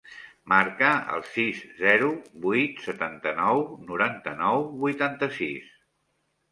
Marca el sis, zero, vuit, setanta-nou, noranta-nou, vuitanta-sis.